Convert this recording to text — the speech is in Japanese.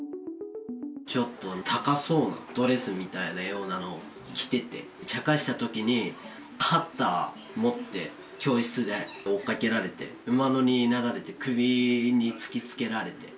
ちょっと高そうなドレスみたいなようなのを着てて、ちゃかしたときに、カッターを持って、教室で追っかけられて、馬乗りになられて、首に突きつけられて。